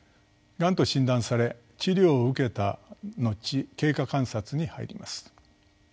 がんと診断され治療を受けた後経過観察に入ります。